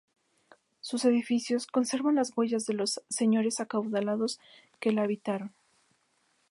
Sus edificios conservan la huella de los señores acaudalados que los habitaron.